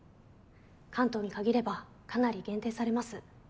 関東に限ればかなり限定されます。